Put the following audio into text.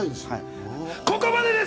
ここまでです！